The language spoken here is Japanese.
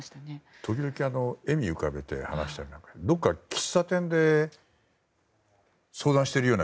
時々、笑みを浮かべて話をしていてどこか喫茶店で相談しているような